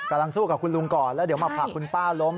สู้กับคุณลุงก่อนแล้วเดี๋ยวมาผลักคุณป้าล้ม